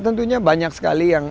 tentunya banyak sekali yang